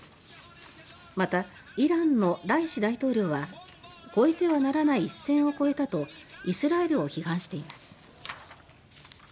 また、イランのライシ大統領は越えてはならない一線を越えたとイスラエルを批判しています。